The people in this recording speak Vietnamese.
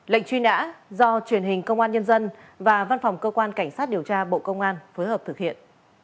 lệnh truy nã do truyền hình công an nhân dân và văn phòng cơ quan cảnh sát điều tra bộ công an phối hợp thực hiện